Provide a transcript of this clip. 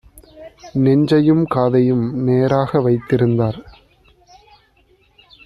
நெஞ்சையும் காதையும் நேராக வைத்திருந்தார்: